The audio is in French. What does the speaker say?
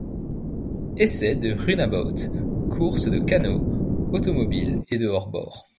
Essais de runabouts, courses de canots automobiles et de hors-bord.